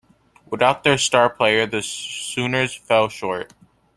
Without their star player, the Sooners fell short.